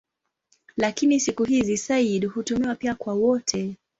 Lakini siku hizi "sayyid" hutumiwa pia kwa wote.